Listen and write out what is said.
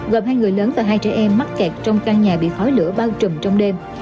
gồm hai người lớn và hai trẻ em mắc kẹt trong căn nhà bị khói lửa bao trùm trong đêm